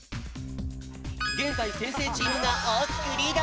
げんざい先生チームがおおきくリード！